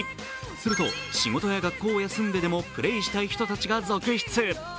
すると、仕事や学校を休んででもプレーしたい人たちが続出。